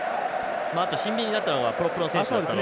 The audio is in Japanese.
シンビンになったのがプロップの選手だったので